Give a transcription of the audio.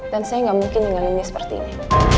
dan saya gak mungkin dengan dia seperti ini